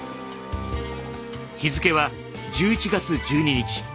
日付は１１月１２日。